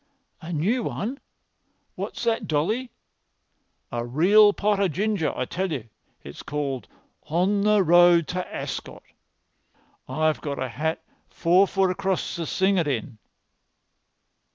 "A new one! What's that, Dolly?" "A real pot o' ginger, I tell you. It's called 'On the Road to Ascot.' I've got a hat four foot across to sing it in."